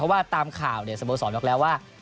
แต่ตามข่าวเนี่ยสโบสรอยากแล้วว่า